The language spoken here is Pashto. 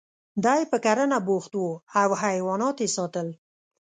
دی په کرنه بوخت و او حیوانات یې ساتل